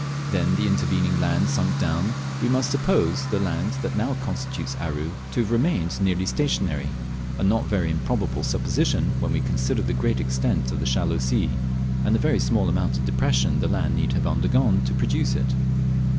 Then the intervening land sunk down, we must suppose the land that now constitutes Aru to have remained nearly stationary, a not very improbable supposition, when we consider the great extent of the shallow sea, and the very small amount of depression the land need have undergone to produce it.